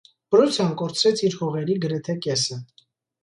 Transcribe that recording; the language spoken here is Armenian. Պրուսիան կորցրեց իր հողերի գրեթե կեսը։